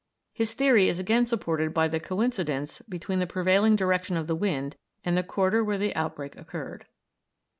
His theory is again supported by the coincidence between the prevailing direction of the wind and the quarter where the outbreak occurred.